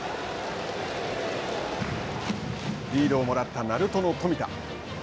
リードをもらった鳴門の冨田。